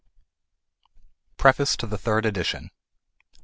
PREFACE TO THE THIRD EDITION.